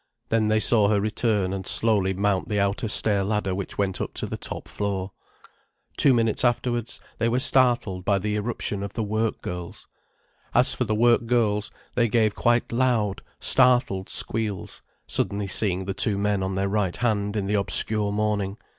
Then they saw her return and slowly mount the outer stair ladder, which went up to the top floor. Two minutes afterwards they were startled by the irruption of the work girls. As for the work girls, they gave quite loud, startled squeals, suddenly seeing the two men on their right hand, in the obscure morning.